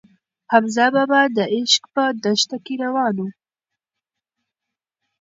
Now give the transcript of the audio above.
حمزه بابا د عشق په دښته کې روان و.